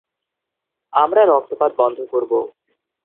আমরা রক্তপাত বন্ধ করব।